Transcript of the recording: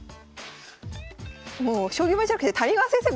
もう将棋盤じゃなくて谷川先生